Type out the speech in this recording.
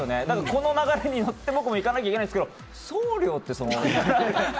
この流れに乗って、僕も行かなきゃいけないんですけど送料って、その。